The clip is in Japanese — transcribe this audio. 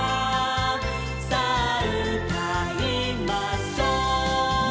「さあうたいましょう」